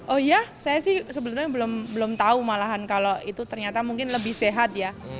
oh iya saya sih sebenarnya belum tahu malahan kalau itu ternyata mungkin lebih sehat ya